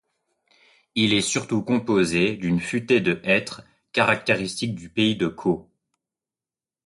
Il est surtout composé d'une futaie de hêtres, caractéristique du pays de Caux.